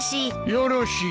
よろしい。